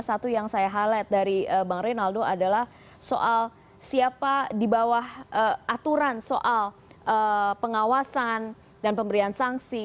satu yang saya highlight dari bang reynaldo adalah soal siapa di bawah aturan soal pengawasan dan pemberian sanksi